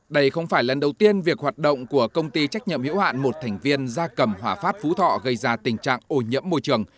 đây không phải lần đầu tiên việc hoạt động của công ty trách nhậm hiệu hạn một thành viên ra cầm hỏa phát phú thọ gây ra tình trạng ô nhiễm môi trường